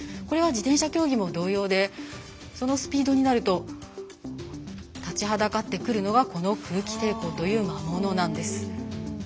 これは自転車競技も同様でそのスピードになると立ちはだかっているのがこの空気抵抗という魔物なんです。